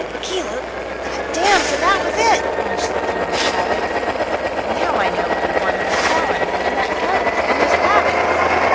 "Keeluk! God damn, so that was it!" von Schlichten almost shouted. "Now I know what he wanted with Stalin, and that goat, and those rabbits!"